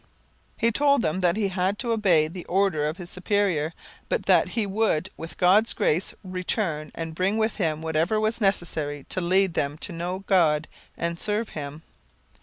He told them that he had to obey the order of his superior, but that 'he would, with God's grace, return and bring with him whatever was necessary to lead them to know God and serve Him.'